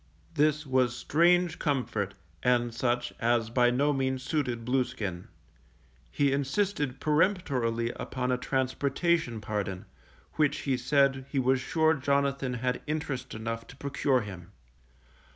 This was strange comfort, and such as by no means suited Blueskin: he insisted peremptorily upon a transportation pardon, which be said he was sure Jonathan had interest enough to procure him.